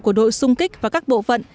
của đội sung kích và các bộ phận